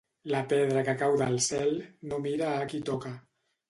La pedra que cau del cel no mira a qui toca.